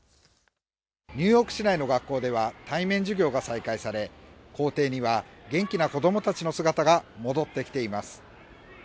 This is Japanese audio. ニューヨーク市内の学校では対面授業が再開され校庭には元気な子どもたちの姿が戻ってきています。